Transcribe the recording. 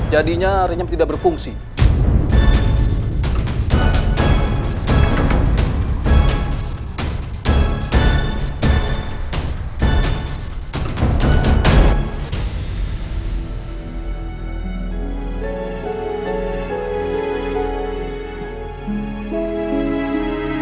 jadinya rinyam kamu harus mencari bukti penemuan terbaru